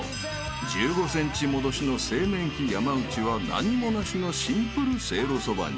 ［１５ｃｍ戻しの製麺機山内は何もなしのシンプルせいろそばに］